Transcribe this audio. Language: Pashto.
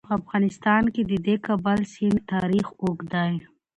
په افغانستان کې د د کابل سیند تاریخ اوږد دی.